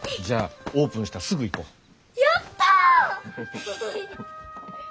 じゃあオープンしたらすぐ行こ。